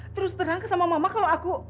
terus terang ke sama mama kalau aku